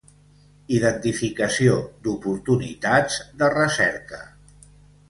Identificació d'oportunitats de recerca.